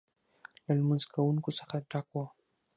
له لمونځ کوونکو څخه ډک و.